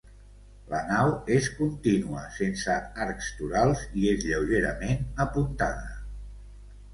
La nau és contínua, sense arcs torals, i és lleugerament apuntada.